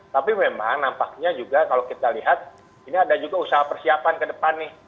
tapi memang nampaknya juga kalau kita lihat ini ada juga usaha persiapan ke depan nih